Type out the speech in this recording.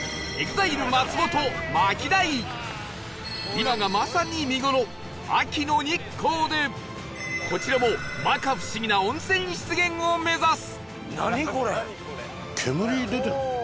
今がまさに見頃秋の日光でこちらも摩訶不思議な温泉湿原を目指す